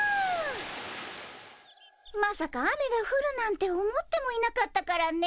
まさか雨がふるなんて思ってもいなかったからねえ。